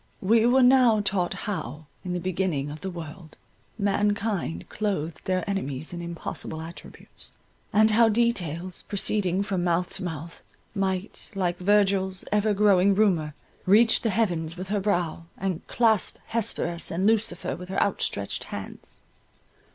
We were now taught how, in the beginning of the world, mankind clothed their enemies in impossible attributes—and how details proceeding from mouth to mouth, might, like Virgil's ever growing Rumour, reach the heavens with her brow, and clasp Hesperus and Lucifer with her outstretched hands.